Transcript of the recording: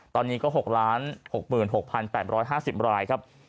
ตอนนี้ก็๖๖๖๘๕๐ราย